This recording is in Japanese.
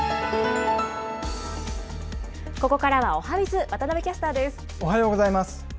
ここからはおはＢｉｚ、おはようございます。